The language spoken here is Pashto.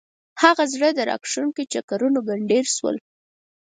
هغه زړه راکښونکي چکرونه ګنډېر شول.